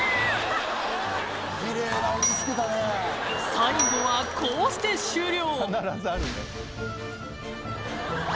最後はこうして終了！